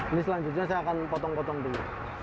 ini selanjutnya saya akan potong potong dulu